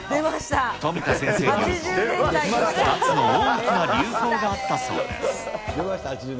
富田先生によると、２つの大きな流行があったそうです。